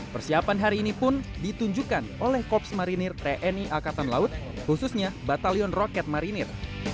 persiapan hari ini pun ditunjukkan oleh korps marinir tni angkatan laut khususnya batalion roket marinir